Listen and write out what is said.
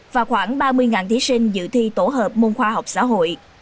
và khoảng ba mươi thí sinh dự thi tổ hợp môn khoa học xã hội